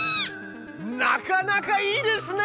なかなかいいですね！